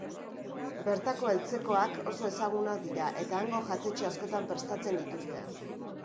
Bertako eltzekoak oso ezagunak dira, eta hango jatetxe askotan prestatzen dituzte.